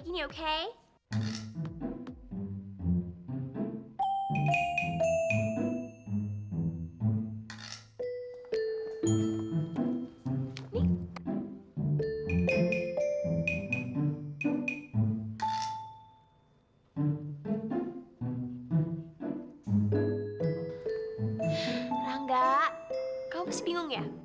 kamu masih bingung ya